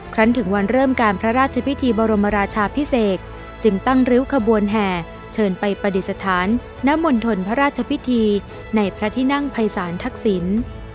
ถึงวันเริ่มการพระราชพิธีบรมราชาพิเศษจึงตั้งริ้วขบวนแห่เชิญไปปฏิสถานนมณฑลพระราชพิธีในพระที่นั่งภัยศาลทักษิณ